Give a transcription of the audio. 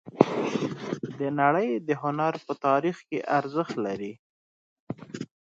د نړۍ د هنر په تاریخ کې ارزښت لري